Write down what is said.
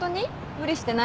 無理してない？